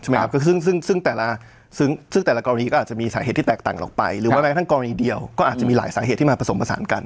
หรือว่าแม้กระทั่งกรณีเดียวก็อาจจะมีหลายสาเหตุที่มาผสมผสานกัน